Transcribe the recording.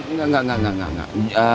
enggak enggak enggak